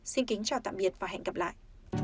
xin kính chào tạm biệt và hẹn gặp lại